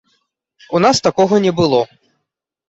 У нас такога не было!